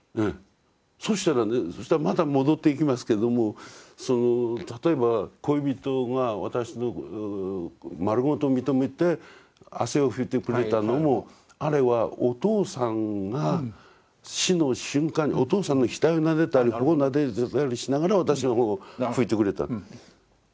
そしたらまた戻っていきますけども例えば恋人が私を丸ごと認めて汗を拭いてくれたのもあれはお父さんが死の瞬間にお父さんの額をなでたり頬をなでたりしながら私の方を拭いてくれた。